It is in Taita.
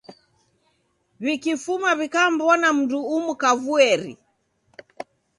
W'ikifuma w'ikammbona mundu umu kavueri.